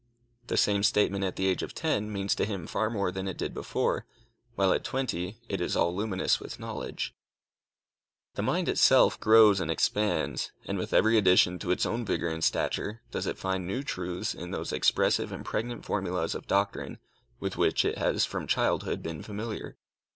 The same statement at the age of ten, means to him far more than it did before, while at twenty it is all luminous with knowledge. The mind itself grows and expands, and with every addition to its own vigor and stature, does it find new truths in those expressive and pregnant formulas of doctrine with which it has from childhood been familiar.